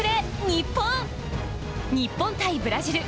日本対ブラジル。